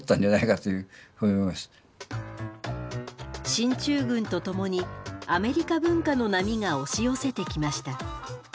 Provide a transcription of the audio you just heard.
進駐軍とともにアメリカ文化の波が押し寄せてきました。